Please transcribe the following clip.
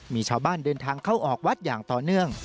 มีชาวบ้านเดินทางเข้าออกวัดอย่างต่อเนื่อง